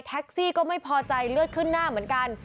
แท็กซี่ก็ไม่พอใจเลือดขึ้นหน้าเหมือนกัน